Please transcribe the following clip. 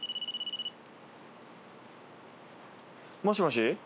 もしもし。